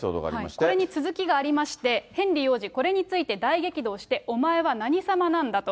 これに続きがありまして、ヘンリー王子、これについて大激怒をして、お前は何様なんだ！と。